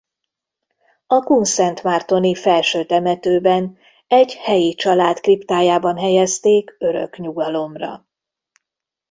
A kunszentmártoni Felső-temetőben egy helyi család kriptájában helyezték örök nyugalomra.